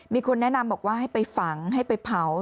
มีคนแนะนำบอกว่าให้ไปฝังให้ไปเผา